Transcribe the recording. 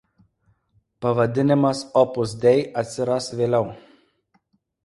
Pavadinimas „Opus Dei“ atsiras vėliau.